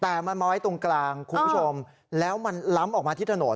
แต่มันมาไว้ตรงกลางคุณผู้ชมแล้วมันล้ำออกมาที่ถนน